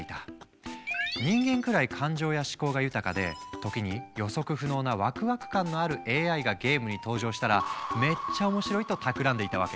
人間くらい感情や思考が豊かで時に予測不能なワクワク感のあるＡＩがゲームに登場したらめっちゃ面白いとたくらんでいたわけ。